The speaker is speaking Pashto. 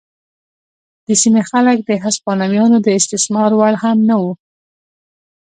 د سیمې خلک د هسپانویانو د استثمار وړ هم نه وو.